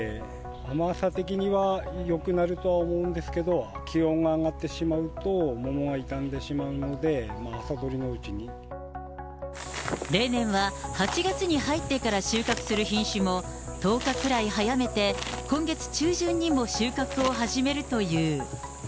甘さ的にはよくなるとは思うんですけれども、気温が上がってしまうと、桃が傷んでしまうので、例年は８月に入ってから収穫する品種も、１０日くらい早めて今月中旬にも収穫を始めるという。